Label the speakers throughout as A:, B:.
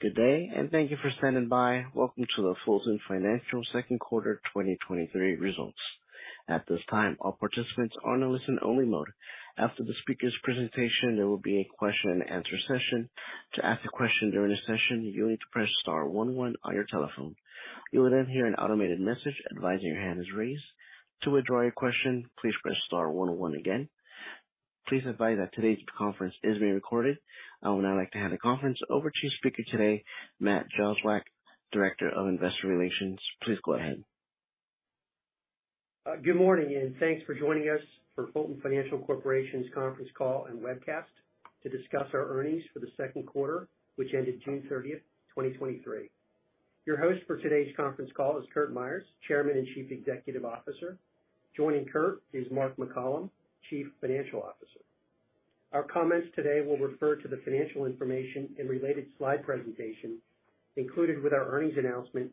A: Good day, and thank you for standing by. Welcome to the Fulton Financial second quarter 2023 results. At this time, all participants are in a listen-only mode. After the speakers' presentation, there will be a question and answer session. To ask a question during the session, you'll need to press star one one on your telephone. You will then hear an automated message advising your hand is raised. To withdraw your question, please press star one one again. Please be advised that today's conference is being recorded. I would now like to hand the conference over to your speaker today, Matt Jozwiak, Director of Investor Relations. Please go ahead.
B: Good morning, thanks for joining us for Fulton Financial Corporation's conference call and webcast to discuss our earnings for the second quarter, which ended June 30th, 2023. Your host for today's conference call is Curt Myers, Chairman and Chief Executive Officer. Joining Curt is Mark McCollom, Chief Financial Officer. Our comments today will refer to the financial information and related slide presentation included with our earnings announcement,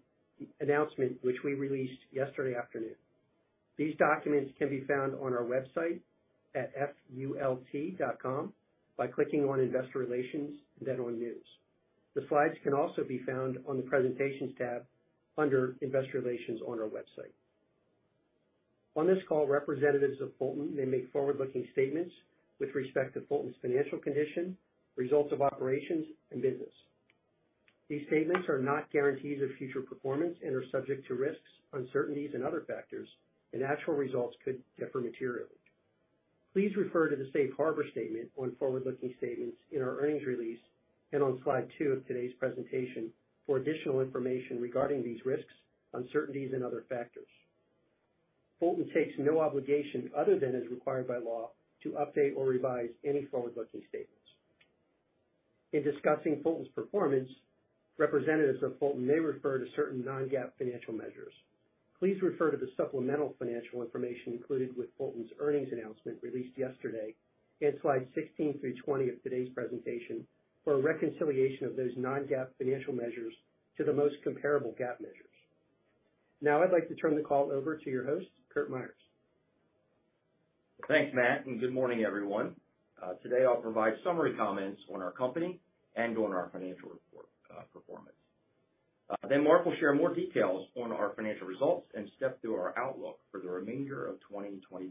B: which we released yesterday afternoon. These documents can be found on our website at fult.com by clicking on Investor Relations, then on News. The slides can also be found on the Presentations tab under Investor Relations on our website. On this call, representatives of Fulton may make forward-looking statements with respect to Fulton's financial condition, results of operations, and business. These statements are not guarantees of future performance and are subject to risks, uncertainties, and other factors, and actual results could differ materially. Please refer to the safe harbor statement on forward-looking statements in our earnings release and on slide two of today's presentation for additional information regarding these risks, uncertainties, and other factors. Fulton takes no obligation, other than as required by law, to update or revise any forward-looking statements. In discussing Fulton's performance, representatives of Fulton may refer to certain non-GAAP financial measures. Please refer to the supplemental financial information included with Fulton's earnings announcement released yesterday and slides 16 through 20 of today's presentation for a reconciliation of those non-GAAP financial measures to the most comparable GAAP measures. Now I'd like to turn the call over to your host, Curt Myers.
C: Thanks, Matt, and good morning, everyone. Today I'll provide summary comments on our company and on our financial report performance. Mark will share more details on our financial results and step through our outlook for the remainder of 2023.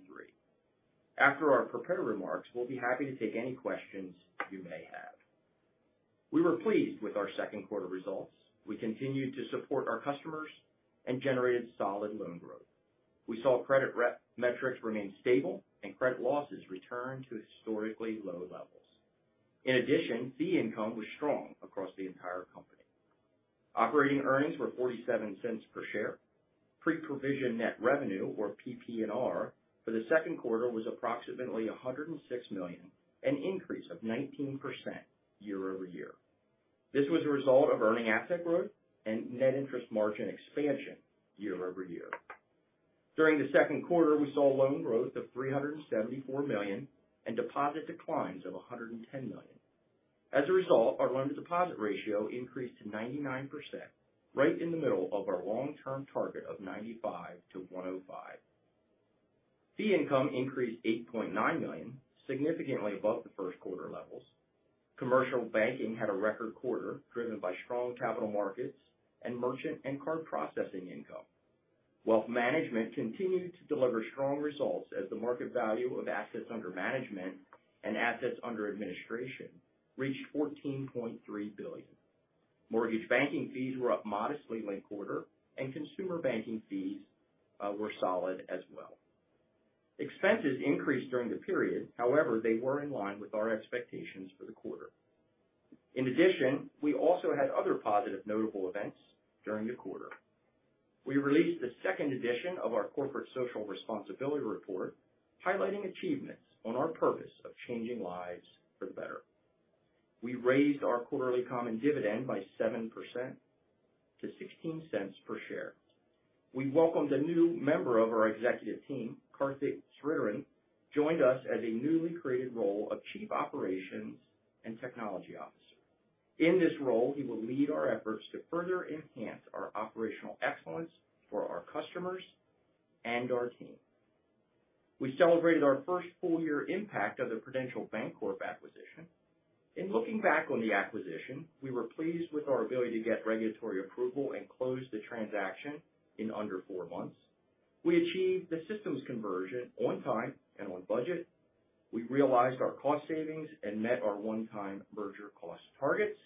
C: After our prepared remarks, we'll be happy to take any questions you may have. We were pleased with our second quarter results. We continued to support our customers and generated solid loan growth. We saw credit rep metrics remain stable and credit losses return to historically low levels. In addition, fee income was strong across the entire company. Operating earnings were $0.47 per share. Pre-provision net revenue, or PPNR, for the second quarter was approximately $106 million, an increase of 19% year-over-year. This was a result of earning asset growth and net interest margin expansion year-over-year. During the second quarter, we saw loan growth of $374 million and deposit declines of $110 million. As a result, our loan-to-deposit ratio increased to 99%, right in the middle of our long-term target of 95%-105%. Fee income increased $8.9 million, significantly above the first quarter levels. Commercial banking had a record quarter, driven by strong capital markets and merchant and card processing income. Wealth management continued to deliver strong results as the market value of assets under management and assets under administration reached $14.3 billion. Mortgage banking fees were up modestly quarter, and consumer banking fees were solid as well. Expenses increased during the period. They were in line with our expectations for the quarter. We also had other positive notable events during the quarter. We released the second edition of our corporate social responsibility report, highlighting achievements on our purpose of changing lives for the better. We raised our quarterly common dividend by 7% to $0.16 per share. We welcomed a new member of our executive team. Karthik Sridharan joined us as a newly created role of Chief Operations and Technology Officer. In this role, he will lead our efforts to further enhance our operational excellence for our customers and our team. We celebrated our first full year impact of the Prudential Bancorp acquisition. In looking back on the acquisition, we were pleased with our ability to get regulatory approval and close the transaction in under four months. We achieved the systems conversion on time and on budget. We realized our cost savings and met our one-time merger cost targets.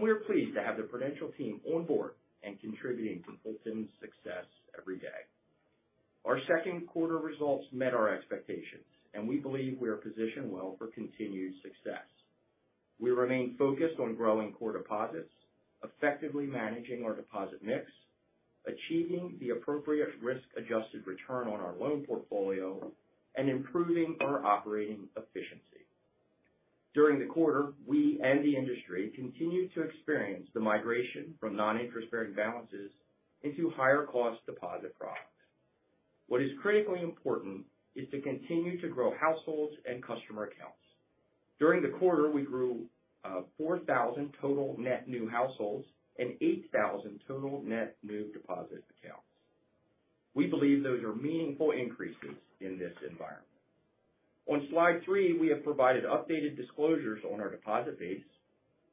C: We are pleased to have the Prudential team on board and contributing to Fulton's success every day. Our second quarter results met our expectations. We believe we are positioned well for continued success. We remain focused on growing core deposits, effectively managing our deposit mix, achieving the appropriate risk-adjusted return on our loan portfolio, and improving our operating efficiency. During the quarter, we and the industry continued to experience the migration from non-interest-bearing balances into higher cost deposit products. What is critically important is to continue to grow households and customer accounts. During the quarter, we grew 4,000 total net new households and 8,000 total net new deposit accounts. We believe those are meaningful increases in this environment. On slide three, we have provided updated disclosures on our deposit base.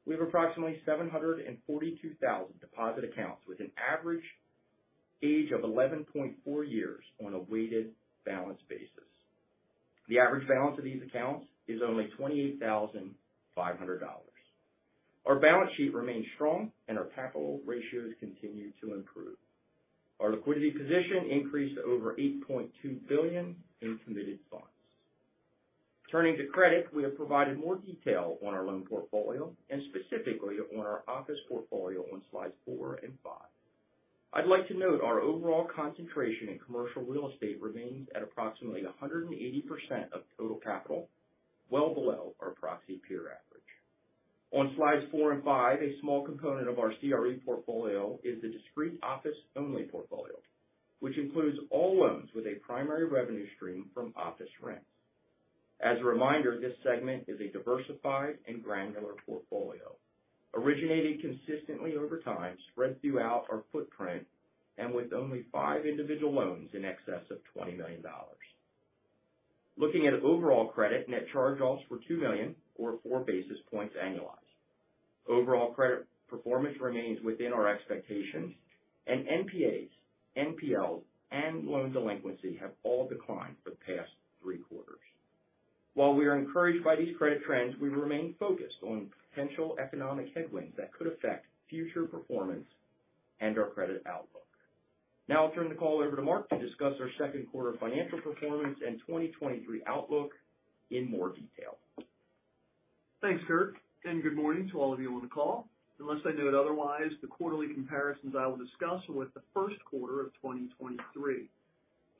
C: We have approximately 742,000 deposit accounts, with an average age of 11.4 years on a weighted balance basis. The average balance of these accounts is only $28,500. Our balance sheet remains strong, and our capital ratios continue to improve. Our liquidity position increased to over $8.2 billion in committed funds. Turning to credit, we have provided more detail on our loan portfolio and specifically on our office portfolio on slides four and five. I'd like to note our overall concentration in commercial real estate remains at approximately 180% of total capital, well below our proxy peer average. On slides four and five, a small component of our CRE portfolio is the discrete office-only portfolio, which includes all loans with a primary revenue stream from office rents. As a reminder, this segment is a diversified and granular portfolio, originating consistently over time, spread throughout our footprint, and with only five individual loans in excess of $20 million. Looking at overall credit, net charge-offs were $2 million or 4 basis points annualized. Overall credit performance remains within our expectations, NPAs, NPLs, and loan delinquency have all declined for the past three quarters. While we are encouraged by these credit trends, we remain focused on potential economic headwinds that could affect future performance and our credit outlook. Now I'll turn the call over to Mark to discuss our second quarter financial performance and 2023 outlook in more detail.
D: Thanks, Curt. Good morning to all of you on the call. Unless I note otherwise, the quarterly comparisons I will discuss are with the first quarter of 2023,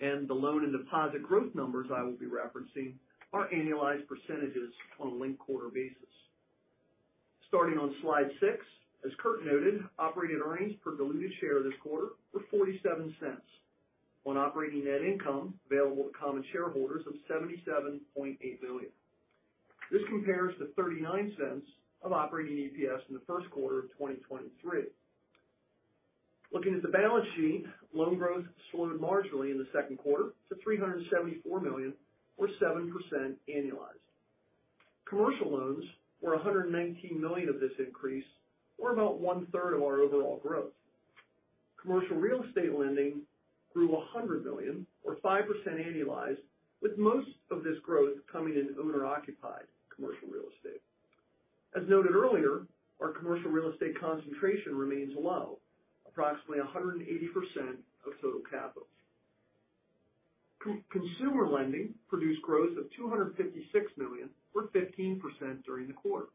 D: and the loan and deposit growth numbers I will be referencing are annualized % on a linked quarter basis. Starting on slide six, as Curt noted, operating earnings per diluted share this quarter were $0.47 on operating net income available to common shareholders of $77.8 million. This compares to $0.39 of operating EPS in the first quarter of 2023. Looking at the balance sheet, loan growth slowed marginally in the second quarter to $374 million, or 7% annualized. Commercial loans were $119 million of this increase, or about 1/3 of our overall growth. Commercial real estate lending grew $100 million or 5% annualized, with most of this growth coming in owner-occupied commercial real estate. As noted earlier, our commercial real estate concentration remains low, approximately 180% of total capital. Consumer lending produced growth of $256 million, or 15% during the quarter.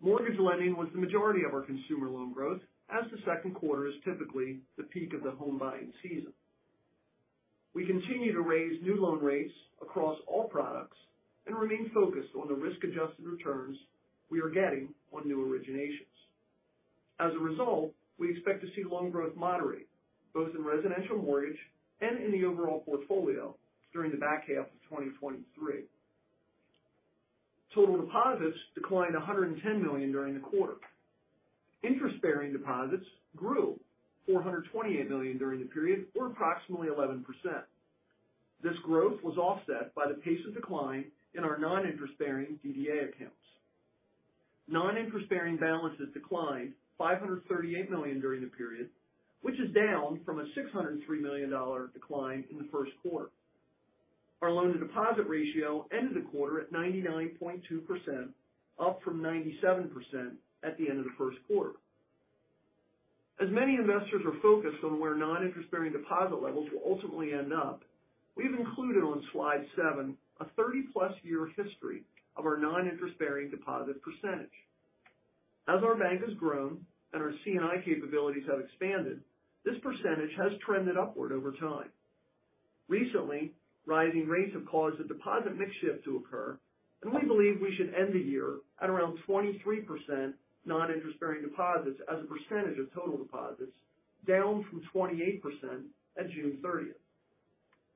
D: Mortgage lending was the majority of our consumer loan growth, as the second quarter is typically the peak of the home buying season. We continue to raise new loan rates across all products and remain focused on the risk-adjusted returns we are getting on new originations. As a result, we expect to see loan growth moderate, both in residential mortgage and in the overall portfolio during the back half of 2023. Total deposits declined $110 million during the quarter. Interest-bearing deposits grew $428 million during the period, or approximately 11%. This growth was offset by the pace of decline in our non-interest-bearing DDA accounts. Non-interest-bearing balances declined $538 million during the period, which is down from a $603 million decline in the first quarter. Our loan-to-deposit ratio ended the quarter at 99.2%, up from 97% at the end of the first quarter. Many investors are focused on where non-interest-bearing deposit levels will ultimately end up, we've included on slide seven, a 30+ year history of our non-interest-bearing deposit percentage. Our bank has grown and our C&I capabilities have expanded, this percentage has trended upward over time. Recently, rising rates have caused a deposit mix shift to occur. We believe we should end the year at around 23% non-interest-bearing deposits as a percentage of total deposits, down from 28% at June 30th.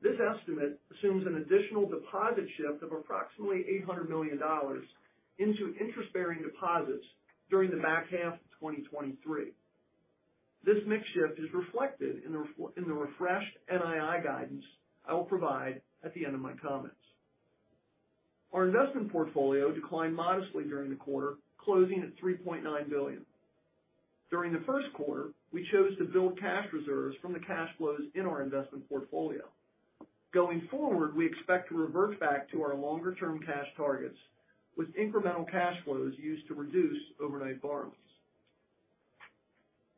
D: This estimate assumes an additional deposit shift of approximately $800 million into interest-bearing deposits during the back half of 2023. This mix shift is reflected in the refreshed NII guidance I will provide at the end of my comments. Our investment portfolio declined modestly during the quarter, closing at $3.9 billion. During the first quarter, we chose to build cash reserves from the cash flows in our investment portfolio. Going forward, we expect to revert back to our longer-term cash targets with incremental cash flows used to reduce overnight borrowings.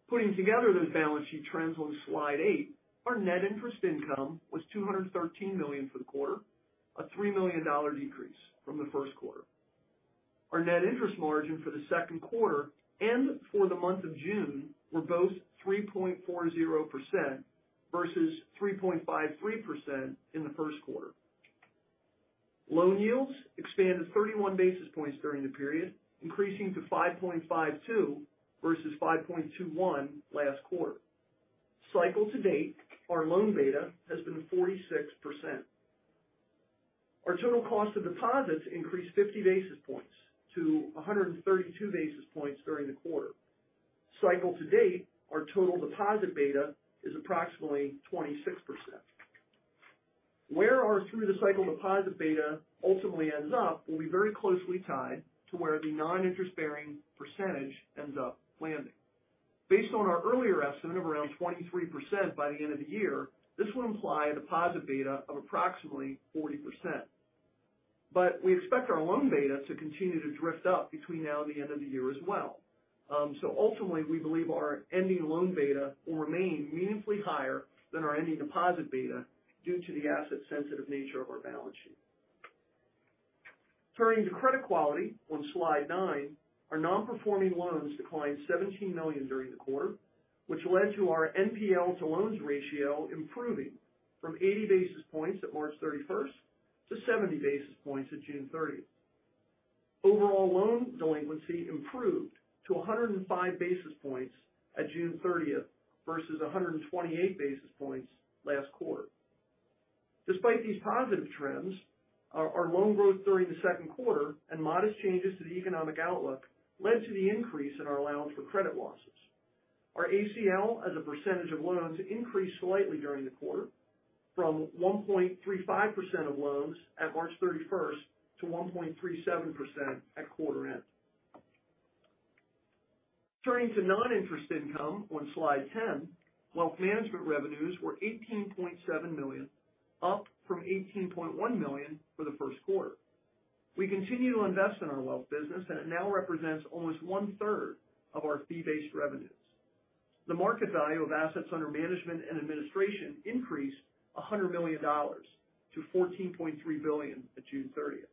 D: Putting together those balance sheet trends on slide eight, our net interest income was $213 million for the quarter, a $3 million decrease from the first quarter. Our net interest margin for the second quarter and for the month of June were both 3.40% versus 3.53% in the first quarter. Loan yields expanded 31 basis points during the period, increasing to 5.52 versus 5.21 last quarter. Cycle to date, our loan beta has been 46%. Our total cost of deposits increased 50 basis points to 132 basis points during the quarter. Cycle to date, our total deposit beta is approximately 26%. Where our through the cycle deposit beta ultimately ends up will be very closely tied to where the non-interest bearing percentage ends up landing. Based on our earlier estimate of around 23% by the end of the year, this would imply a deposit beta of approximately 40%. We expect our loan beta to continue to drift up between now and the end of the year as well. Ultimately, we believe our ending loan beta will remain meaningfully higher than our ending deposit beta due to the asset sensitive nature of our balance sheet. Turning to credit quality on Slide 9, our non-performing loans declined $17 million during the quarter, which led to our NPL to loans ratio improving from 80 basis points at March 31st to 70 basis points at June 30th. Overall loan delinquency improved to 105 basis points at June 30th versus 128 basis points last quarter. Despite these positive trends, our loan growth during the 2Q and modest changes to the economic outlook led to the increase in our allowance for credit losses. Our ACL as a percentage of loans increased slightly during the quarter from 1.35% of loans at March 31st to 1.37% at quarter end. Turning to non-interest income on Slide 10, wealth management revenues were $18.7 million, up from $18.1 million for the 1Q. We continue to invest in our wealth business, and it now represents almost 1/3 of our fee-based revenues. The market value of assets under management and administration increased $100 million to $14.3 billion at June 30th.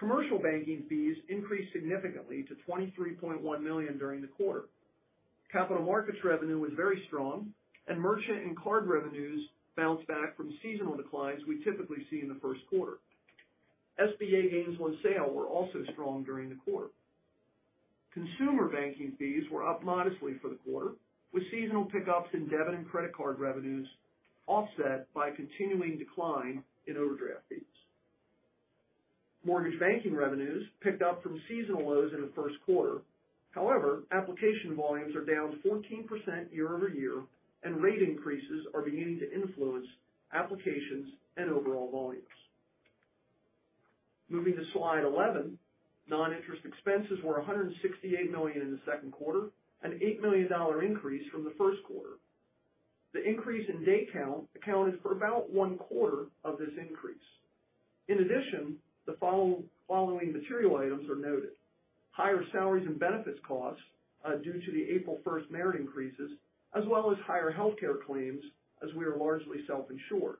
D: Commercial banking fees increased significantly to $23.1 million during the quarter. Capital markets revenue was very strong. Merchant and card revenues bounced back from seasonal declines we typically see in the first quarter. SBA gains on sale were also strong during the quarter. Consumer banking fees were up modestly for the quarter, with seasonal pickups in debit and credit card revenues offset by a continuing decline in overdraft fees. Mortgage banking revenues picked up from seasonal lows in the first quarter. However, application volumes are down 14% year-over-year, and rate increases are beginning to influence applications and overall volumes. Moving to Slide 11, non-interest expenses were $168 million in the second quarter, an $8 million increase from the first quarter. The increase in day count accounted for about one quarter of this increase. In addition, the following material items are noted: higher salaries and benefits costs due to the April first merit increases, as well as higher healthcare claims as we are largely self-insured,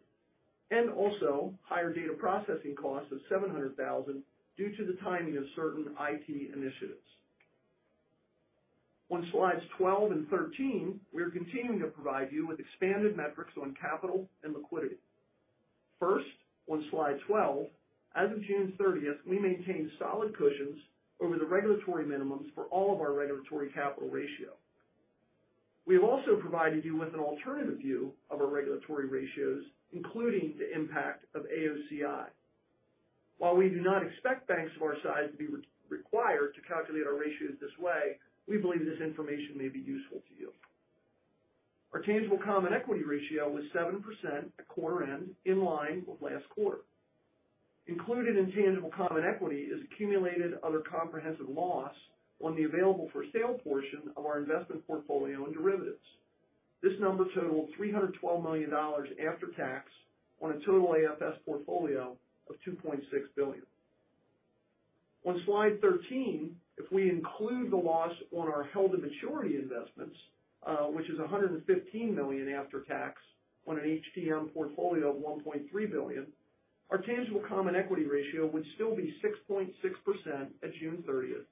D: and also higher data processing costs of $700,000 due to the timing of certain IT initiatives. On Slides twelve and thirteen, we are continuing to provide you with expanded metrics on capital and liquidity. First, on slide 12, as of June 30th we maintained solid cushions over the regulatory minimums for all of our regulatory capital ratio. We have also provided you with an alternative view of our regulatory ratios, including the impact of AOCI. While we do not expect banks of our size to be required to calculate our ratios this way, we believe this information may be useful to you. Our tangible common equity ratio was 7% at quarter end, in line with last quarter. Included in tangible common equity is accumulated other comprehensive loss on the available for sale portion of our investment portfolio and derivatives. This number totaled $312 million after tax on a total AFS portfolio of $2.6 billion. On Slide 13, if we include the loss on our held to maturity investments, which is $115 million after tax on an HTM portfolio of $1.3 billion, our tangible common equity ratio would still be 6.6% at June 30th,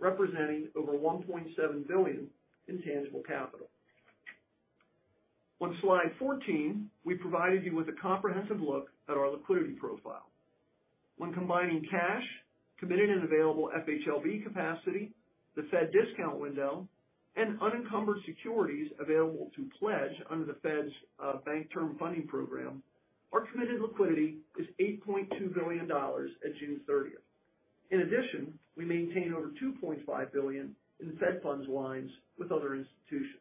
D: representing over $1.7 billion in tangible capital. On Slide 14, we provided you with a comprehensive look at our liquidity profile. When combining cash, committed and available FHLB capacity, the Fed discount window, and unencumbered securities available to pledge under the Fed's Bank Term Funding Program, our committed liquidity is $8.2 billion at June 30th. In addition, we maintain over $2.5 billion in Fed funds lines with other institutions.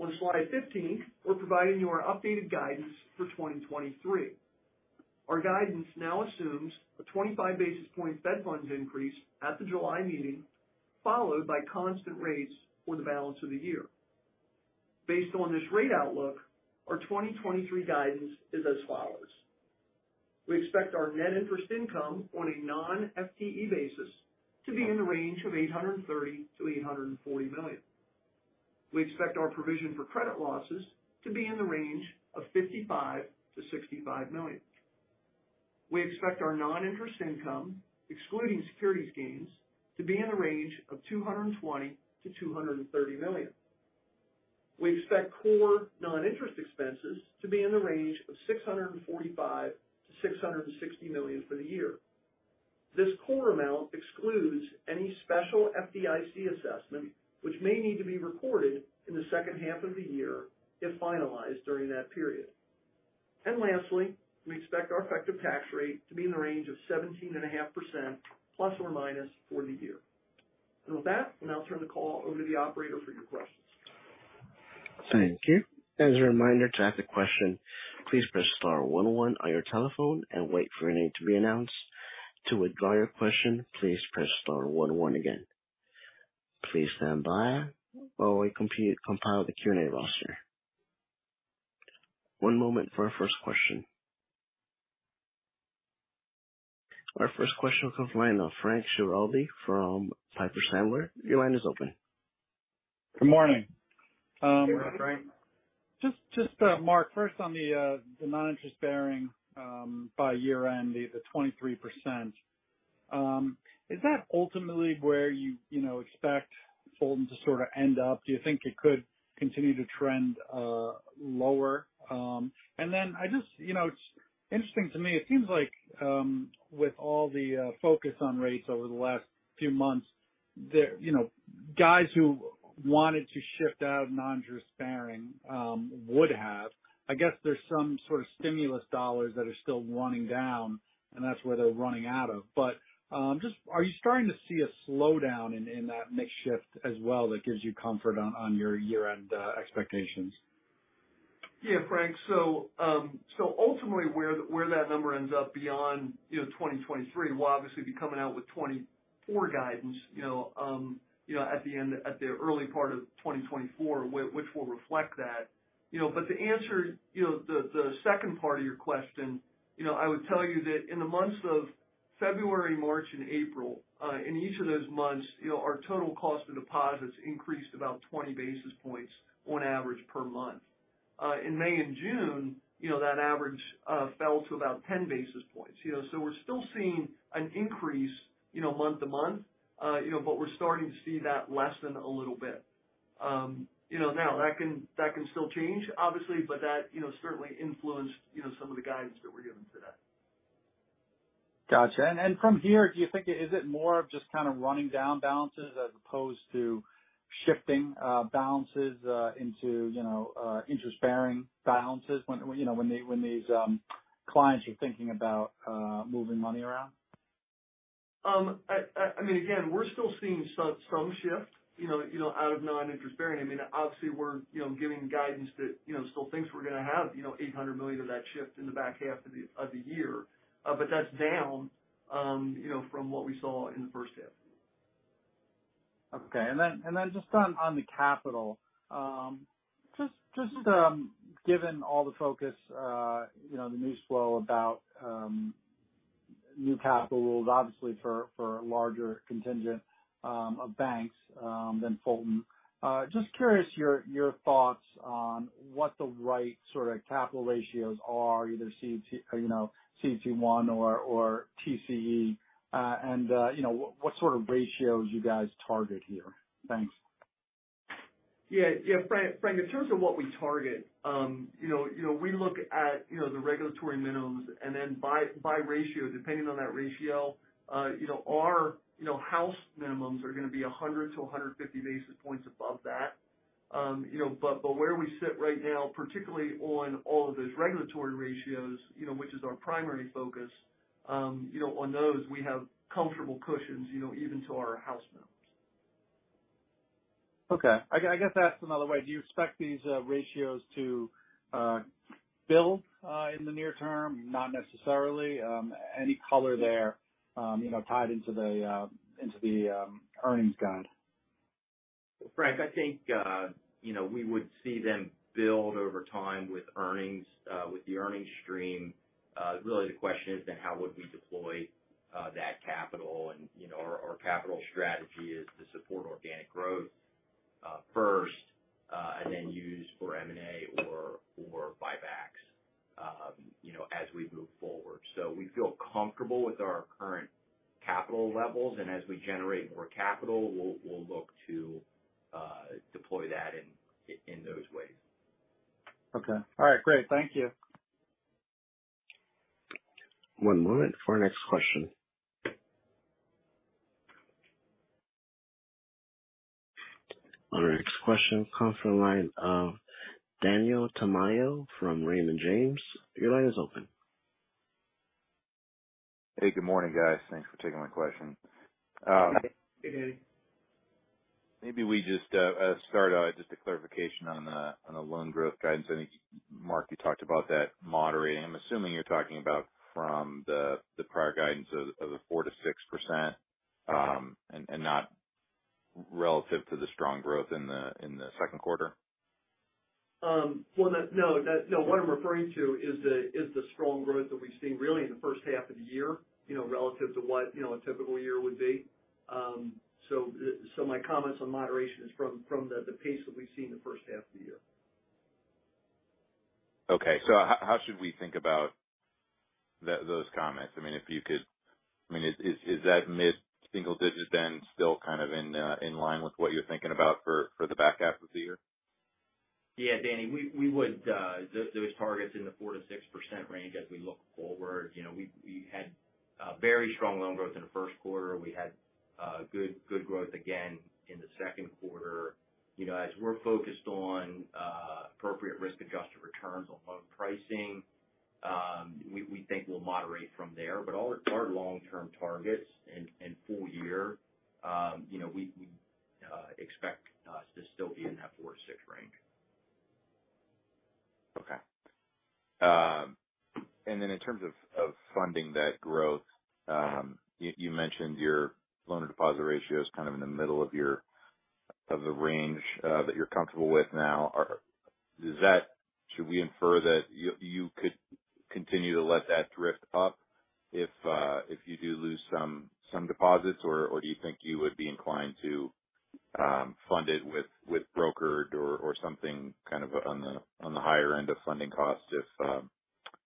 D: On Slide 15, we're providing you our updated guidance for 2023. Our guidance now assumes a 25 basis point Fed funds increase at the July meeting, followed by constant rates for the balance of the year. Based on this rate outlook, our 2023 guidance is as follows: We expect our net interest income on a non-FTE basis to be in the range of $830 million-$840 million. We expect our provision for credit losses to be in the range of $55 million-$65 million. We expect our non-interest income, excluding securities gains, to be in a range of $220 million-$230 million. We expect core non-interest expenses to be in the range of $645 million-$660 million for the year. This core amount excludes any special FDIC assessment, which may need to be recorded in the second half of the year, if finalized during that period. Lastly, we expect our effective tax rate to be in the range of 17.5% ± for the year. With that, I'll now turn the call over to the operator for your questions.
A: Thank you. As a reminder, to ask a question, please press star one on your telephone and wait for your name to be announced. To withdraw your question, please press star one one again. Please stand by while we compile the Q&A roster. One moment for our first question. Our first question comes from the line of Frank Schiraldi from Piper Sandler. Your line is open.
E: Good morning.
C: Good morning, Frank.
E: Just Mark, first on the non-interest bearing, by year end, the 23%. Is that ultimately where you know, expect Fulton to sort of end up? Do you think it could continue to trend lower? I just, you know, it's interesting to me. It seems like, with all the focus on rates over the last few months, there you know, guys who wanted to shift out of non-interest bearing would have. I guess there's some sort of stimulus dollars that are still running down, and that's where they're running out of. Just are you starting to see a slowdown in that mix shift as well, that gives you comfort on your year-end expectations?
D: Frank. Ultimately, where that number ends up beyond 2023, we'll obviously be coming out with 2024 guidance at the early part of 2024, which will reflect that. To answer the second part of your question, I would tell you that in the months of February, March, and April, in each of those months, our total cost of deposits increased about 20 basis points on average per month. In May and June, that average fell to about 10 basis points. We're still seeing an increase month to month, we're starting to see that lessen a little bit. You know, now that can still change, obviously, but that, you know, certainly influenced, you know, some of the guidance that we're giving today.
E: Gotcha. From here, Is it more of just kind of running down balances as opposed to shifting balances into, you know, interest-bearing balances when, you know, when these clients are thinking about moving money around?
D: I mean, again, we're still seeing some shift, you know, out of non-interest bearing. I mean, obviously we're, you know, giving guidance that, you know, still thinks we're going to have, you know, $800 million of that shift in the back half of the year. That's down, you know, from what we saw in the first half.
E: Okay. Then just on the capital. Just given all the focus, you know, the news flow about new capital rules, obviously, for a larger contingent of banks than Fulton. Just curious, your thoughts on what the right sort of capital ratios are, either CET, you know, CET1 or TCE. You know, what sort of ratios you guys target here? Thanks.
D: Yeah. Frank, in terms of what we target, you know, we look at, you know, the regulatory minimums and then by ratio, depending on that ratio, you know, our house minimums are going to be 100 to 150 basis points above that. You know, but where we sit right now, particularly on all of those regulatory ratios, you know, which is our primary focus, you know, on those, we have comfortable cushions, you know, even to our house minimums.
E: Okay. I guess asked another way, do you expect these ratios to build in the near term? Not necessarily. Any color there, you know, tied into the into the earnings guide?
C: Frank, I think, you know, we would see them build over time with earnings, with the earnings stream. Really the question is then how would we deploy that capital? You know, our capital strategy is to support organic growth first and then use for M&A or buybacks, you know, as we move forward. We feel comfortable with our current capital levels, and as we generate more capital, we'll look to deploy that in those ways.
E: Okay. All right, great. Thank you.
A: One moment for our next question. Our next question comes from the line of Daniel Tamayo from Raymond James. Your line is open.
F: Hey, good morning, guys. Thanks for taking my question.
D: Hey, Danny.
F: Maybe we just start out just a clarification on the loan growth guidance. I think, Mark, you talked about that moderating. I'm assuming you're talking about from the prior guidance of a 4%-6%, and not relative to the strong growth in the second quarter.
D: Well, no, what I'm referring to is the strong growth that we've seen really in the first half of the year, you know, relative to what, you know, a typical year would be. My comments on moderation is from the pace that we've seen in the first half of the year.
F: Okay. How should we think about those comments? I mean, is that mid-single digit then still kind of in line with what you're thinking about for the back half of the year?
C: Yeah, Danny, we would, those targets in the 4%-6% range as we look forward. You know, we had, very strong loan growth in the first quarter. We had, good growth again in the second quarter. You know, as we're focused on, appropriate risk-adjusted returns on loan pricing, we think we'll moderate from there. All our long-term targets and, full year, you know, we expect us to still be in that 4%-6% range.
F: In terms of funding that growth, you mentioned your loan-to-deposit ratio is kind of in the middle of the range that you're comfortable with now. Should we infer that you could continue to let that drift up if you do lose some deposits? Or do you think you would be inclined to fund it with brokered or something kind of on the higher end of funding costs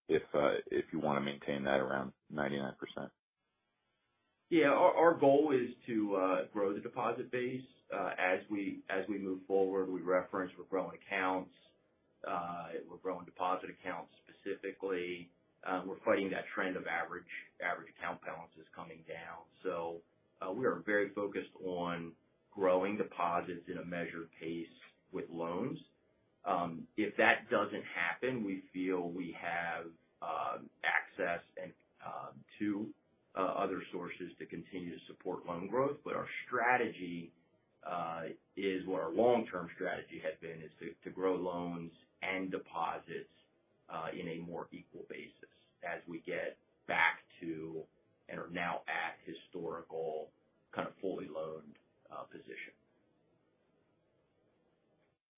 F: if you want to maintain that around 99%?
C: Yeah. Our goal is to grow the deposit base. As we move forward, we reference we're growing accounts, we're growing deposit accounts specifically. We're fighting that trend of average account balances coming down. We are very focused on growing deposits at a measured pace with loans. If that doesn't happen, we feel we have access and to other sources to continue to support loan growth. Our strategy is what our long-term strategy has been, is to grow loans and deposits in a more equal basis as we get back to, and are now at, historical kind of fully loaded position.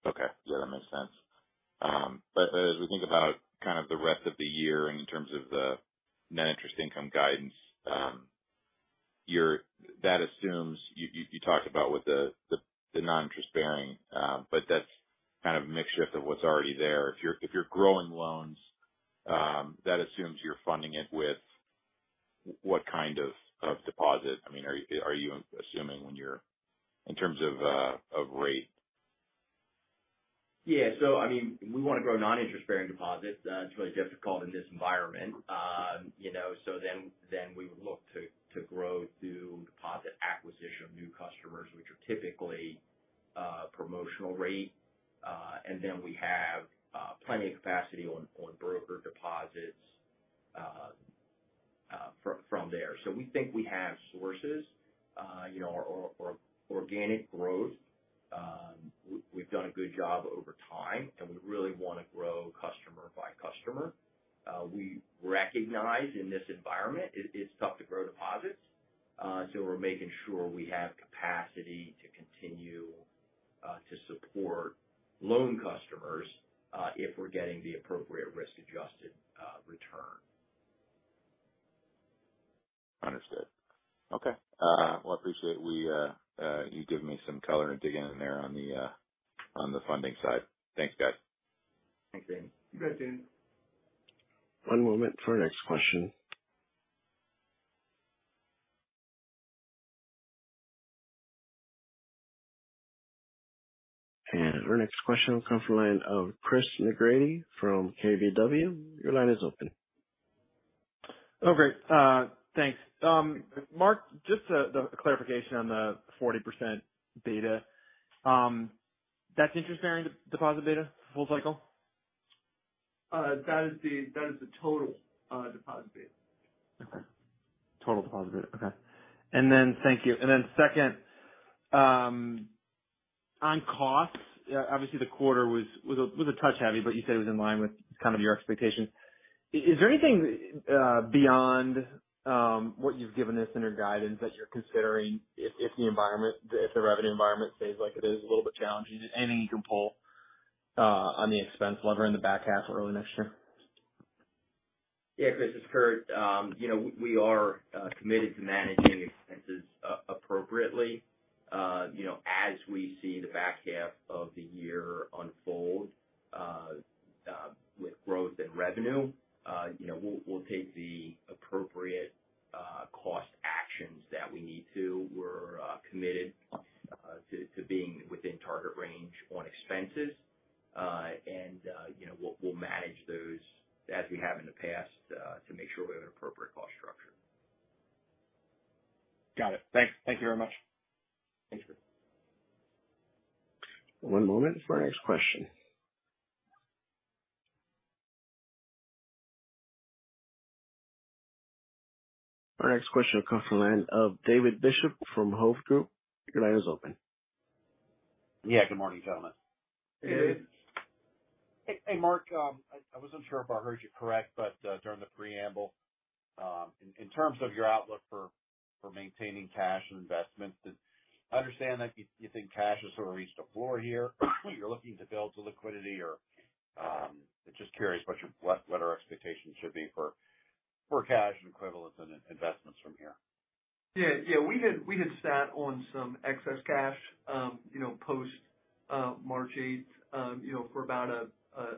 F: Okay. Yeah, that makes sense. As we think about kind of the rest of the year in terms of the net interest income guidance, you're that assumes you talked about with the non-interest bearing, but that's kind of a mixture of what's already there. If you're growing loans, that assumes you're funding it with what kind of deposit? I mean, are you assuming when you're, in terms of rate?
C: Yeah. I mean, we want to grow non-interest-bearing deposits. It's really difficult in this environment. You know, then, we would look to grow through deposit acquisition of new customers, which are typically promotional rate. Then we have plenty of capacity on broker deposits from there. We think we have sources, you know, our organic growth. We've done a good job over time, and we really want to grow customer by customer. We recognize in this environment it's tough to grow deposits. We're making sure we have capacity to continue to support loan customers if we're getting the appropriate risk-adjusted return.
F: Understood. Okay. Well, I appreciate we, you giving me some color and digging in there on the funding side. Thanks, guys.
C: Thanks, Danny.
D: You bet, Dan.
A: One moment for our next question. Our next question will come from the line of Chris McGratty from KBW. Your line is open.
G: Oh, great. Thanks. Mark, the clarification on the 40% beta. That's interest-bearing deposit beta, full cycle?
D: that is the total deposit beta.
G: Okay. Total deposit beta. Okay. Thank you. Second, on costs, obviously the quarter was a touch heavy, but you said it was in line with kind of your expectations. Is there anything beyond what you've given us in your guidance that you're considering if the environment, if the revenue environment stays like it is, a little bit challenging, anything you can pull on the expense lever in the back half or early next year?
C: Chris, it's Curt. you know, we are committed to managing expenses appropriately. you know, as we see the back half of the year unfold, with growth in revenue, you know, we'll take the appropriate cost actions that we need to. We're committed to being within target range on expenses. And, you know, we'll manage those as we have in the past to make sure we have an appropriate cost structure.
G: Got it. Thank you very much.
C: Thanks, Chris.
A: One moment for our next question. Our next question comes from the line of David Bishop from Hovde Group. Your line is open.
H: Yeah. Good morning, gentlemen.
D: Hey.
C: Hey.
H: Hey, Mark, I wasn't sure if I heard you correct, but during the preamble, in terms of your outlook for maintaining cash and investments, I understand that you think cash has sort of reached a floor here, you're looking to build to liquidity or, I'm just curious what your what our expectations should be for cash and equivalents and investments from here?
D: Yeah, we had sat on some excess cash, you know, post March 8th, you know.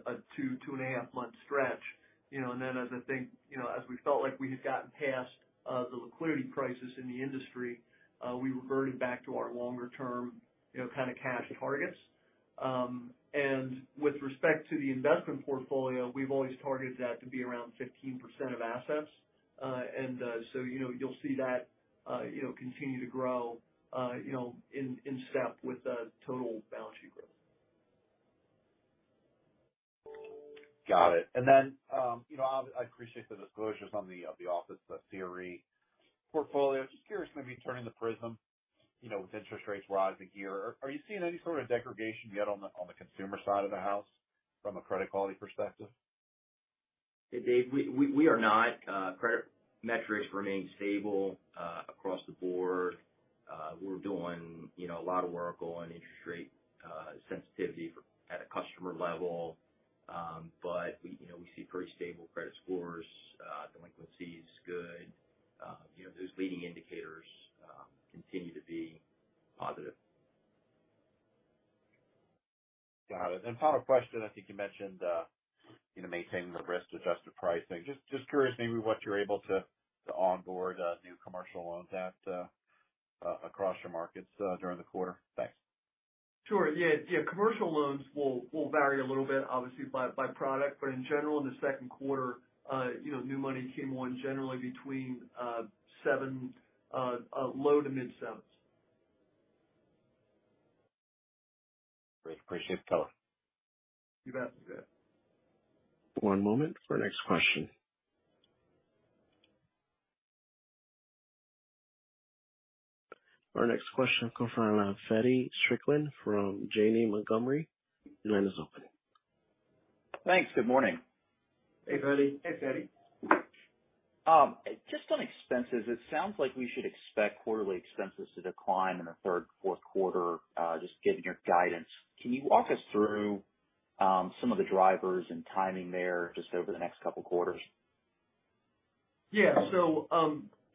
D: a two and a half month stretch, you know, and then as I think, you know, as we felt like we had gotten past the liquidity crisis in the industry, we reverted back to our longer term, you know, kind of cash targets. With respect to the investment portfolio, we've always targeted that to be around 15% of assets. So, you know, you'll see that, you know, continue to grow, you know, in step with the total balance sheet growth.
H: Got it. Then, you know, I appreciate the disclosures on the office, the CRE portfolio. Just curious, maybe turning the prism, you know, with interest rates rising here, are you seeing any sort of degradation yet on the, on the consumer side of the house from a credit quality perspective?
C: Dave, we are not. Credit metrics remain stable across the board. We're doing, you know, a lot of work on interest rate sensitivity for at a customer level. We, you know, we see pretty stable credit scores. Delinquency is good. You know, those leading indicators continue to be positive.
H: Got it. Final question, I think you mentioned, you know, maintaining the risk-adjusted pricing. Just curious maybe what you're able to onboard new commercial loans that across your markets during the quarter? Thanks.
D: Sure. Yeah, yeah. Commercial loans will vary a little bit, obviously by product. In general, in the second quarter, you know, new money came on generally between 7%, low to mid 7s%.
H: Great. Appreciate the color.
D: You bet.
C: You bet.
A: One moment for our next question. Our next question comes from Feddie Strickland from Janney Montgomery. Your line is open.
I: Thanks. Good morning.
D: Hey, Feddie.
C: Hey, Feddie.
I: Just on expenses, it sounds like we should expect quarterly expenses to decline in the third, fourth quarter, just given your guidance. Can you walk us through some of the drivers and timing there just over the next couple quarters?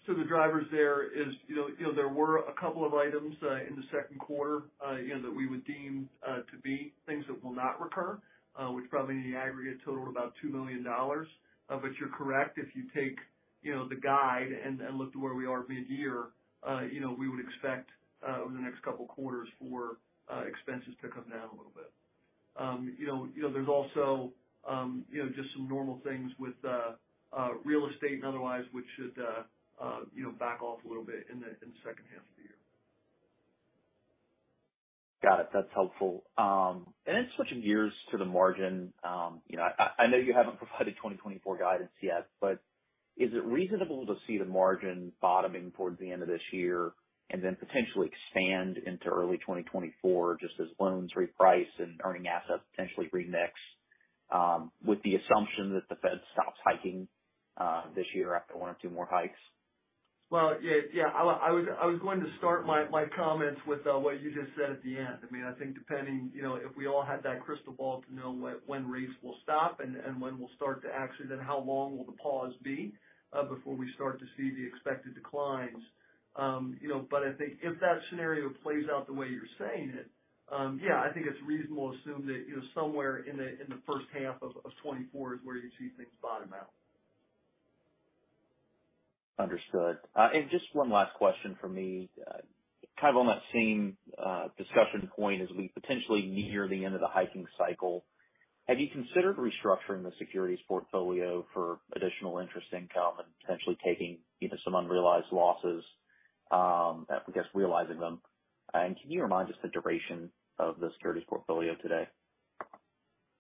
D: The drivers there is, you know, you know, there were a couple of items in the second quarter again, that we would deem to be things that will not recur, which probably in the aggregate total about $2 million. You're correct, if you take, you know, the guide and look to where we are mid-year, you know, we would expect over the next couple quarters for expenses to come down a little bit. You know, you know, there's also, you know, just some normal things with real estate and otherwise, which should, you know, back off a little bit in the second half of the year.
I: Got it. That's helpful. Switching gears to the margin, you know, I know you haven't provided 2024 guidance yet, but is it reasonable to see the margin bottoming towards the end of this year and then potentially expand into early 2024, just as loans reprice and earning assets potentially remix, with the assumption that the Fed stops hiking this year after one or two more hikes?
D: Well, yeah. Yeah, I was going to start my comments with what you just said at the end. I mean, I think depending, you know, if we all had that crystal ball to know when rates will stop and when we'll start to actually then how long will the pause be before we start to see the expected declines? You know, I think if that scenario plays out the way you're saying it, yeah, I think it's reasonable to assume that, you know, somewhere in the first half of 2024 is where you'd see things bottom out.
I: Understood. Just one last question from me. kind of on that same discussion point, as we potentially near the end of the hiking cycle, have you considered restructuring the securities portfolio for additional interest income and potentially taking, you know, some unrealized losses, I guess, realizing them? Can you remind us the duration of the securities portfolio today?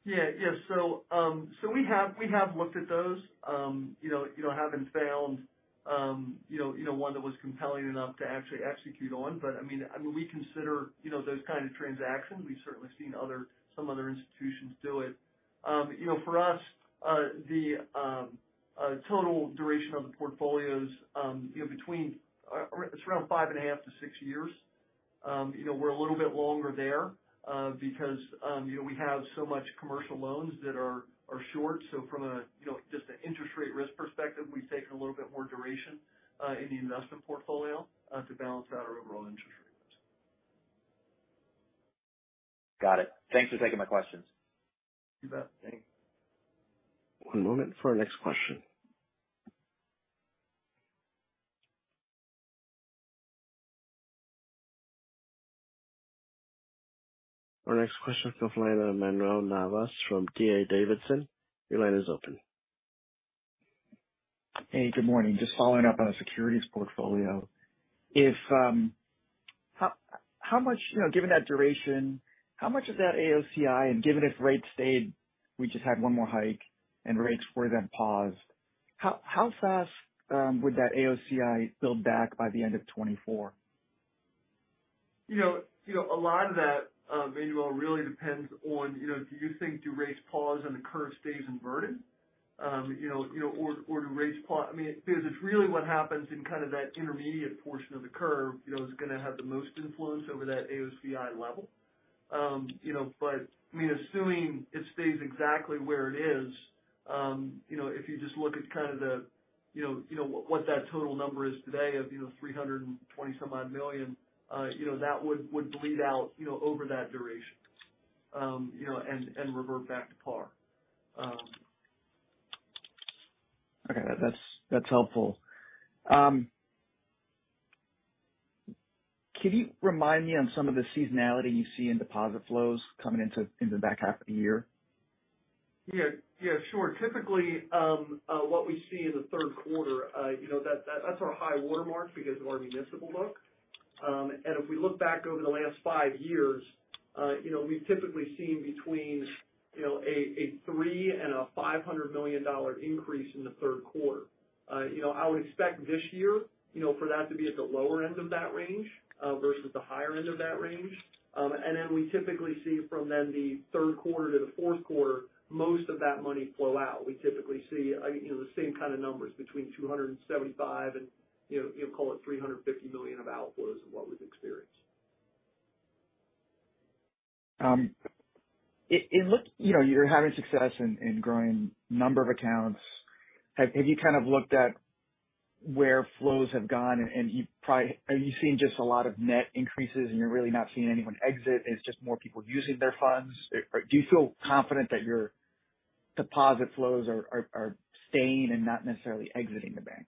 D: Yeah. Yeah. We have looked at those, you know, haven't found, you know, one that was compelling enough to actually execute on. I mean, we consider, you know, those kind of transactions. We've certainly seen some other institutions do it. You know, for us, the total duration of the portfolios, you know, between, it's around five and a half to six years. You know, we're a little bit longer there, because, you know, we have so much commercial loans that are short. From a, you know, just an interest rate risk perspective, we've taken a little bit more duration, in the investment portfolio, to balance out our overall interest rate risk.
I: Got it. Thanks for taking my questions.
D: You bet. Thanks.
A: One moment for our next question. Our next question comes from Manuel Navas, from D.A. Davidson. Your line is open.
J: Hey, good morning. Just following up on the securities portfolio. If, how much, you know, given that duration, how much of that AOCI and given if rates stayed, we just had one more hike and rates were then paused, how fast would that AOCI build back by the end of 2024?
D: You know, a lot of that, Manuel, really depends on do you think do rates pause and the curve stays inverted? You know, or do rates I mean, because it's really what happens in kind of that intermediate portion of the curve is going to have the most influence over that AOCI level. You know, but I mean, assuming it stays exactly where it is, you know, if you just look at kind of the, you know, what that total number is today of $320-some odd million that would bleed out over that duration, you know, and revert back to par.
J: Okay, that's helpful. Can you remind me on some of the seasonality you see in deposit flows coming into in the back half of the year?
D: Yeah, yeah, sure. Typically, what we see in the third quarter, you know, that's our high watermark because of our municipal book. If we look back over the last five years, you know, we've typically seen between, you know, a $300 million and a $500 million increase in the third quarter. You know, I would expect this year, you know, for that to be at the lower end of that range versus the higher end of that range. We typically see from then the third quarter to the fourth quarter, most of that money flow out. We typically see, you know, the same kind of numbers between $275 million and, you know, call it $350 million of outflows is what we've experienced.
J: It looks, you know, you're having success in growing number of accounts. Have you kind of looked at where flows have gone? Are you seeing just a lot of net increases and you're really not seeing anyone exit, and it's just more people using their funds? Or do you feel confident that your deposit flows are staying and not necessarily exiting the bank?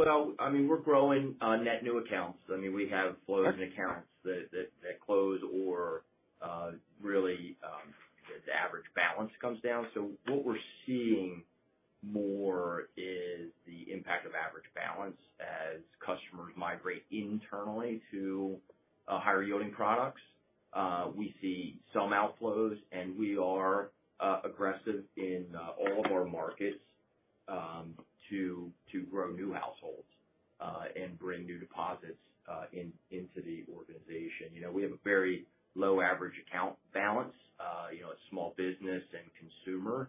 C: Well, I mean, we're growing net new accounts. I mean, we have flows and accounts that close or really the average balance comes down. What we're seeing more is the impact of average balance as customers migrate internally to higher yielding products. We see some outflows, and we are aggressive in all of our markets to grow new households and bring new deposits into the organization. You know, we have a very low average account balance, you know, at small business and consumer.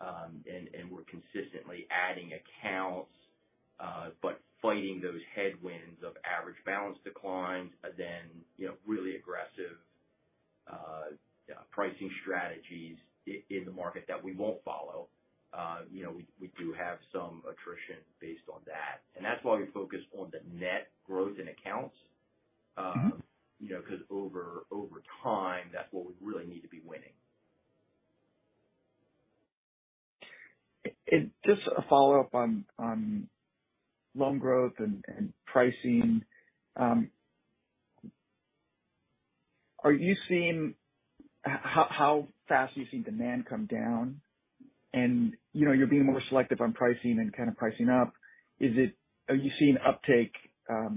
C: And we're consistently adding accounts, but fighting those headwinds of average balance declines, then, you know, really aggressive pricing strategies in the market that we won't follow. You know, we do have some attrition based on that. That's why we focus on the net growth in accounts.
J: Mm-hmm.
C: you know, because over time, that's what we really need to be winning.
J: Just a follow-up on loan growth and pricing. Are you seeing how fast are you seeing demand come down? You know, you're being more selective on pricing and kind of pricing up. Are you seeing uptake? Are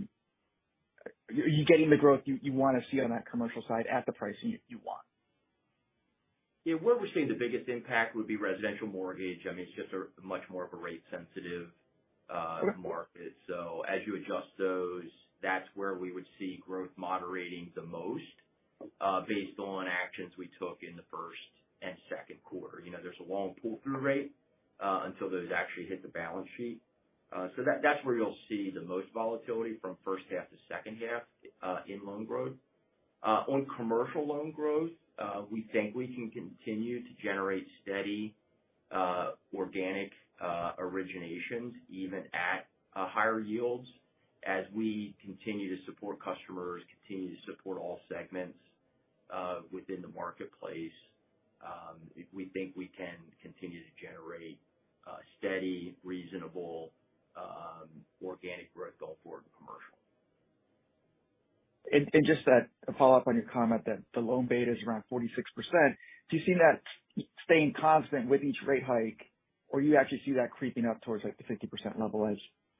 J: you getting the growth you want to see on that commercial side at the pricing you want?
C: Where we're seeing the biggest impact would be residential mortgage. I mean, it's just a much more of a rate sensitive market.
J: Okay.
C: As you adjust those, that's where we would see growth moderating the most, based on actions we took in the first and second quarter. You know, there's a long pull-through rate, until those actually hit the balance sheet. So that's where you'll see the most volatility from first half to second half, in loan growth. On commercial loan growth, we think we can continue to generate steady, organic originations, even at higher yields, as we continue to support customers, continue to support all segments, within the marketplace. We think we can continue to generate steady, reasonable, organic growth going forward in commercial.
J: Just to follow up on your comment that the loan beta is around 46%, do you see that staying constant with each rate hike, or you actually see that creeping up towards, like, the 50% level as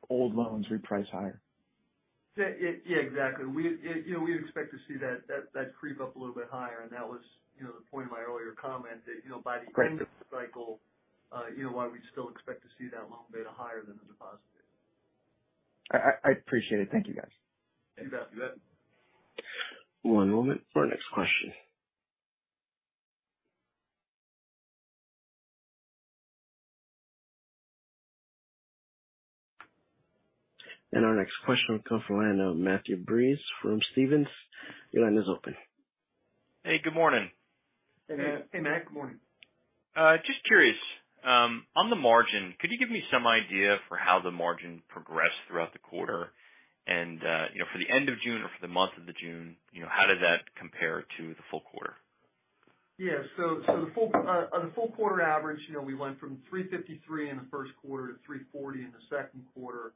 J: old loans reprice higher?
D: Yeah. Yeah, exactly. We, you know, we expect to see that creep up a little bit higher. That was, you know, the point of my earlier comment that, you know.
J: Great
D: end of the cycle, you know, why we still expect to see that loan beta higher than the deposit beta.
J: I appreciate it. Thank you, guys.
D: You bet,
C: you bet.
A: One moment for our next question. Our next question will come from the line of Matthew Breese from Stephens. Your line is open.
K: Hey, good morning.
D: Hey, Matt.
C: Hey, Matt, good morning.
K: Just curious, on the margin, could you give me some idea for how the margin progressed throughout the quarter? You know, for the end of June or for the month of the June, you know, how does that compare to the full quarter?
D: Yeah. So the full, the full quarter average, you know, we went from 3.53 in the first quarter to 3.40 in the second quarter.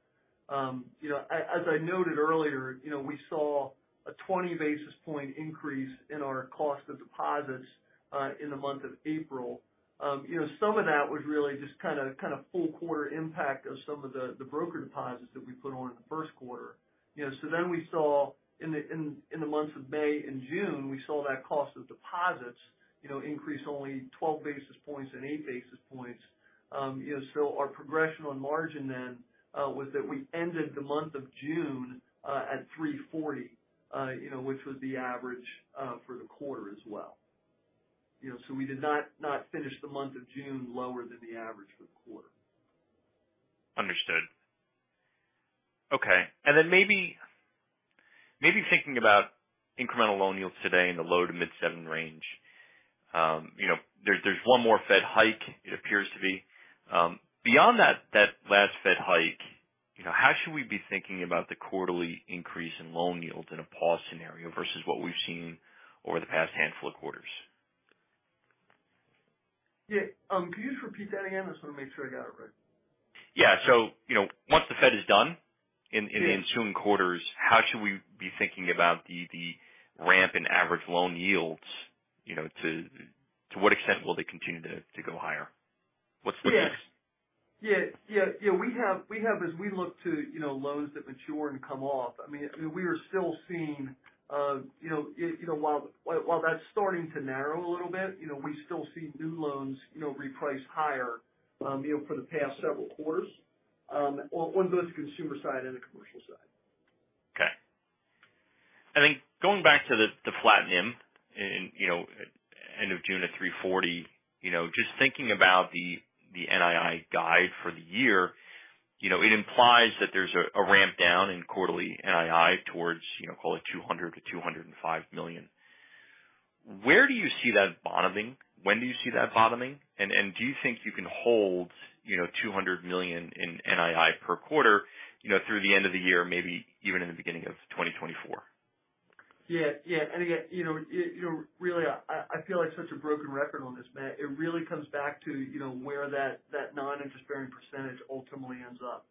D: You know, as I noted earlier, you know, we saw a 20 basis point increase in our cost of deposits in the month of April. You know, some of that was really just kind of full quarter impact of some of the broker deposits that we put on in the first quarter. You know, we saw in the months of May and June, we saw that cost of deposits, you know, increase only 12 basis points and 8 basis points. You know, our progression on margin then, was that we ended the month of June, at 340, you know, which was the average, for the quarter as well. You know, we did not finish the month of June lower than the average for the quarter.
K: Understood. Okay. Then maybe thinking about incremental loan yields today in the low to mid 7% range. you know, there's one more Fed hike it appears to be. Beyond that last Fed hike, you know, how should we be thinking about the quarterly increase in loan yields in a pause scenario versus what we've seen over the past handful of quarters?
D: Yeah. Could you just repeat that again? I just wanna make sure I got it right.
K: Yeah. you know, once the Fed is done in the ensuing quarters, how should we be thinking about the ramp in average loan yields, you know, to what extent will they continue to go higher? What's next?
D: Yeah. Yeah, yeah, we have as we look to, you know, loans that mature and come off, I mean, we are still seeing, you know, while that's starting to narrow a little bit, you know, we still see new loans, you know, reprice higher, you know, for the past several quarters, on both the consumer side and the commercial side.
K: Okay. Going back to the flat NIM in, you know, end of June at 3.40, you know, just thinking about the NII guide for the year, you know, it implies that there's a ramp down in quarterly NII towards, you know, call it $200 million-$205 million. Where do you see that bottoming? When do you see that bottoming? Do you think you can hold, you know, $200 million in NII per quarter, you know, through the end of the year, maybe even in the beginning of 2024?
D: Yeah. Yeah. Again, you know, really, I feel like such a broken record on this, Matt. It really comes back to, you know, where that non-interest bearing percentage ultimately ends up.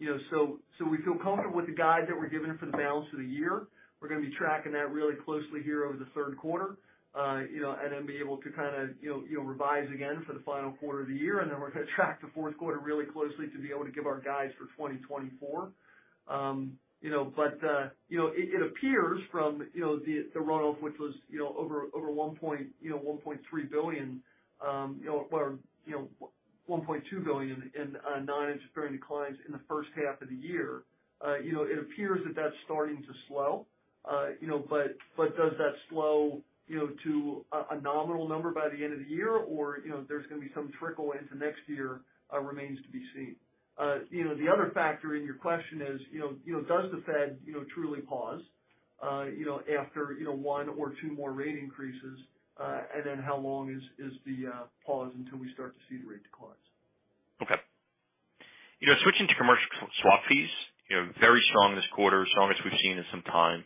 D: You know, so we feel comfortable with the guide that we're giving for the balance of the year. We're gonna be tracking that really closely here over the third quarter. You know, then be able to kinda, you know, revise again for the final quarter of the year. Then we're gonna track the fourth quarter really closely to be able to give our guides for 2024. You know, it appears from, you know, the runoff, which was, you know, over $1.3 billion, or, you know, $1.2 billion in non-interest bearing declines in the first half of the year. You know, it appears that that's starting to slow. You know, does that slow, you know, to a nominal number by the end of the year or, you know, there's gonna be some trickle into next year, remains to be seen. You know, the other factor in your question is, you know, does the Fed, you know, truly pause, you know, after, you know, one or two more rate increases? How long is the pause until we start to see the rate decline?
K: Okay. You know, switching to commercial swap fees, you know, very strong this quarter, strong as we've seen in some time.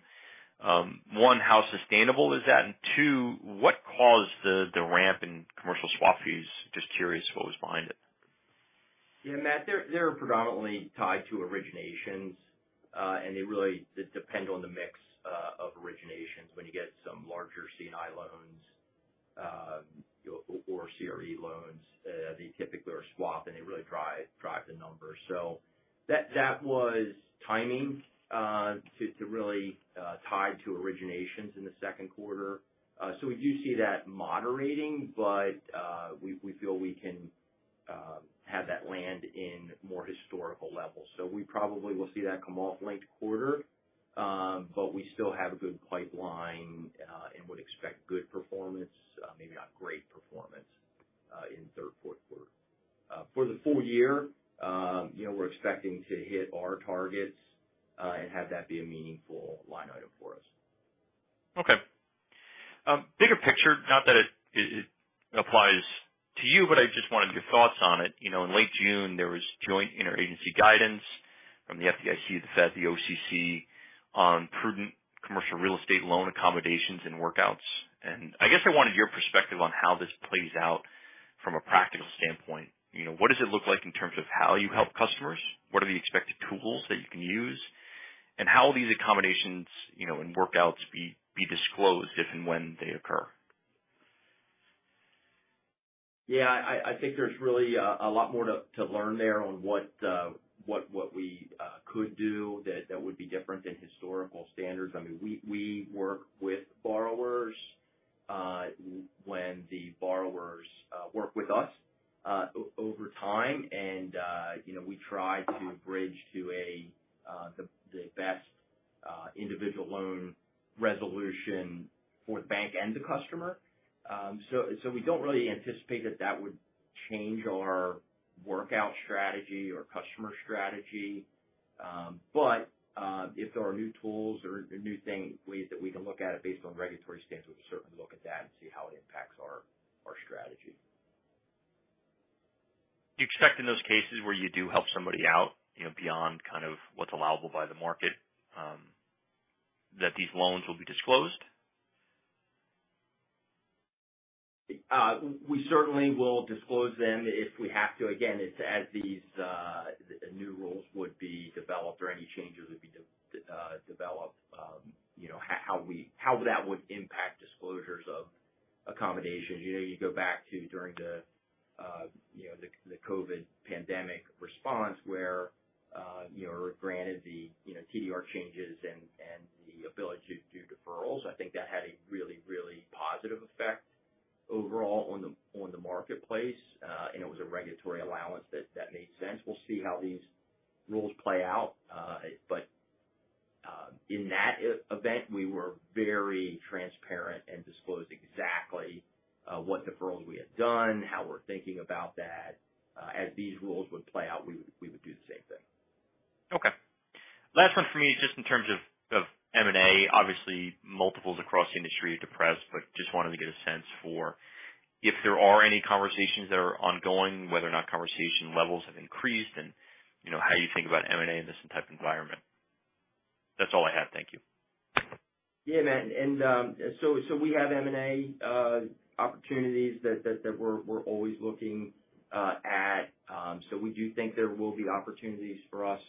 K: One, how sustainable is that? Two, what caused the ramp in commercial swap fees? Just curious what was behind it.
C: Yeah, Matt, they're predominantly tied to originations, and they really depend on the mix of originations. When you get some larger C&I loans, you know, or CRE loans, they typically are swapped, and they really drive the numbers. That was timing to really tie to originations in the second quarter. We do see that moderating, but we feel we can have that land in more historical levels. We probably will see that come off late quarter, but we still have a good pipeline, and would expect good performance, maybe not great performance, in third, fourth quarter. For the full year, you know, we're expecting to hit our targets, and have that be a meaningful line item for us.
K: Okay. Bigger picture, not that it applies to you, but I just wanted your thoughts on it. You know, in late June, there was joint interagency guidance from the FDIC, the Fed, the OCC, on prudent commercial real estate loan accommodations and workouts. I guess I wanted your perspective on how this plays out from a practical standpoint. You know, what does it look like in terms of how you help customers? What are the expected tools that you can use, and how will these accommodations, you know, and workouts be disclosed if and when they occur?
C: Yeah, I think there's really a lot more to learn there on what the what we could do that would be different than historical standards. I mean, we work with borrowers when the borrowers work with us over time, and you know, we try to bridge to the best individual loan resolution for the bank and the customer. We don't really anticipate that that would change our workout strategy or customer strategy. If there are new tools or new ways that we can look at it based on regulatory stance, we'll certainly look at that and see how it impacts our strategy.
K: Do you expect in those cases where you do help somebody out, you know, beyond kind of what's allowable by the market, that these loans will be disclosed?
C: We certainly will disclose them if we have to. Again, it's as these the new rules would be developed or any changes would be developed, how that would impact disclosures of accommodations. You go back to during the COVID pandemic response, where were granted the TDR changes and the ability to do deferrals. I think that had a really positive effect overall on the marketplace, and it was a regulatory allowance that made sense. We'll see how these rules play out. In that event, we were very transparent and disclosed exactly what deferrals we had done, how we're thinking about that. As these rules would play out, we would do the same thing.
K: Okay. Last one for me is just in terms of M&A. Obviously, multiples across the industry are depressed, but just wanted to get a sense for if there are any conversations that are ongoing, whether or not conversation levels have increased and, you know, how you think about M&A in this type environment. That's all I have. Thank you.
C: Yeah, Matt, we have M&A opportunities that we're always looking at. We do think there will be opportunities for us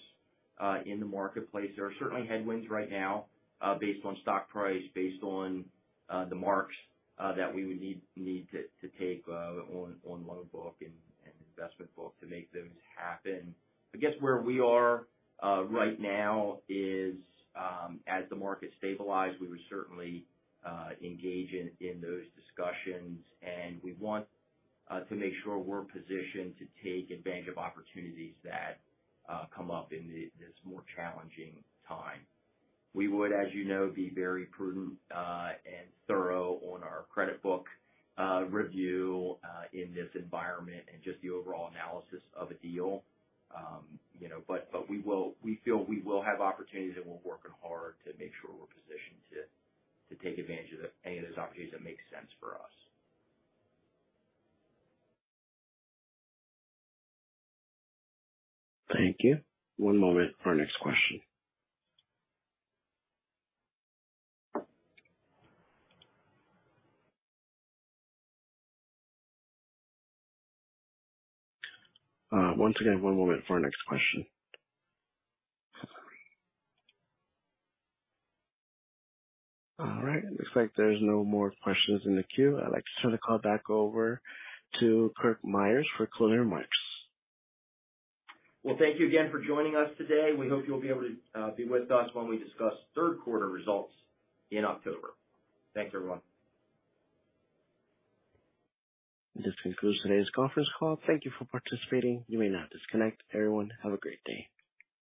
C: in the marketplace. There are certainly headwinds right now, based on stock price, based on the marks that we would need to take on loan book and investment book to make those happen. I guess where we are right now is, as the market stabilize, we would certainly engage in those discussions, and we want to make sure we're positioned to take advantage of opportunities that come up in this more challenging time. We would, as you know, be very prudent and thorough on our credit book review in this environment and just the overall analysis of a deal. You know, we feel we will have opportunities, and we're working hard to make sure we're positioned to take advantage of any of those opportunities that make sense for us.
A: Thank you. One moment for our next question. All right. It looks like there's no more questions in the queue. I'd like to turn the call back over to Curt Myers for closing remarks.
C: Well, thank you again for joining us today. We hope you'll be able to be with us when we discuss third quarter results in October. Thanks, everyone.
A: This concludes today's conference call. Thank you for participating. You may now disconnect. Everyone, have a great day.